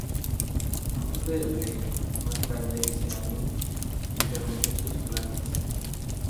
La muerte de Blake, más tarde ese año, interrumpió esos planes.